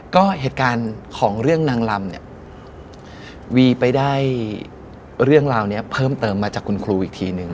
ก็เหตุการณ์ของเรื่องนางลำเนี่ยวีไปได้เรื่องราวนี้เพิ่มเติมมาจากคุณครูอีกทีนึง